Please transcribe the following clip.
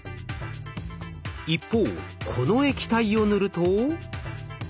一方この液体を塗ると。